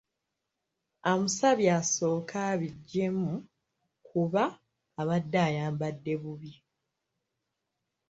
Amusabye asooke abiggyemu kuba abadde ayambadde bubi.